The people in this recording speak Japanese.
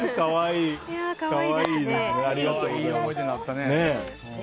いい思い出になったね。